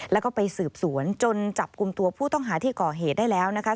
แล้วก็ไปสืบสวนจนจับกลุ่มตัวผู้ต้องหาที่ก่อเหตุได้แล้วนะคะ